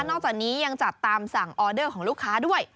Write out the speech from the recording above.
อกจากนี้ยังจัดตามสั่งออเดอร์ของลูกค้าด้วย